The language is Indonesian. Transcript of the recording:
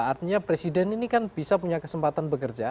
artinya presiden ini kan bisa punya kesempatan bekerja